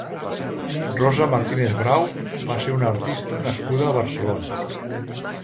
Rosa Martínez Brau va ser una artista nascuda a Barcelona.